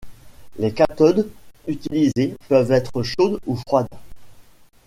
Les cathodes utilisées peuvent être chaudes ou froides.